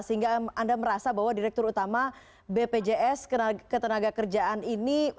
sehingga anda merasa bahwa direktur utama bpjs ketenagakerjaan ini